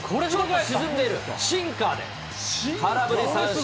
沈んでいる、シンカーで空振り三振。